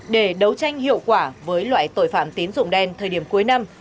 để đấu tranh hiệu quả với loại tội phạm tín dụng đen thời điểm cuối năm